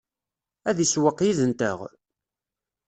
Ad isewweq yid-nteɣ?